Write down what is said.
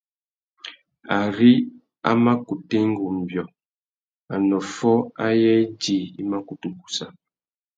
Ari a mà kutu enga umbiô, anôffô ayê idjï i mà kutu gussa.